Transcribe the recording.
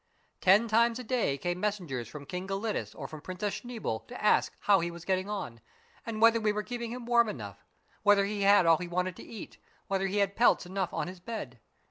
Ten times a day came messengers from King Gelidus or from Princess Schneeboule to ask how he was getting on, and whether we were keeping him warm enough, whether he had all he wanted to eat, whether he had pelts enough on his bed.